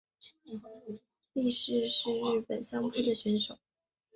力士是日本相扑的选手。